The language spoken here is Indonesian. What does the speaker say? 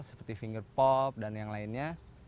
seperti finger pop dan yang lainnya